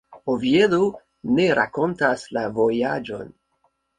Oviedo ne rakontas la vojaĝon.